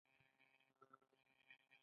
هغه وويل دومره پيسې به له کومه کې.